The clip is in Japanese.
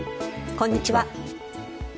こんにちは。